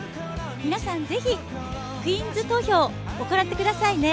皆さん、ぜひクイーンズ投票、行ってくださいね。